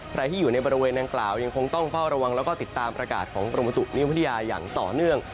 ใครที่อยู่ในบริเวณนางกล่าวยังคงต้องเฝ้าระวังแล้วก็ติดตามประกาศของกรมประตุนิยมพัทยาอย่างต่อเนื่อง